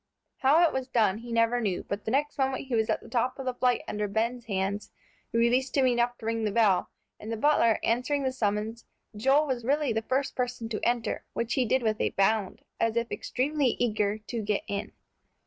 How it was done, he never knew, but the next moment he was at the top of the flight under Ben's hands, who released him enough to ring the bell, and the butler answering the summons, Joel was really the first person to enter, which he did with a bound, as if extremely eager to get in.